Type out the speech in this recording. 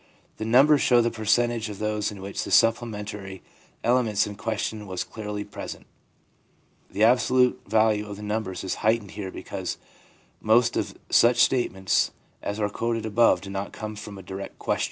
The numbers show the percentage of those in which the supplementary elements in question were clearly present. The absolute value of the num bers is heightened here because most of such statements as are quoted above did not come from a direct question, 1 Pedagogical Seminary, Vol.